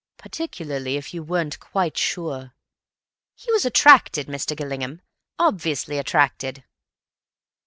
Particularly if you weren't quite sure—" "He was attracted, Mr. Gillingham. Obviously attracted."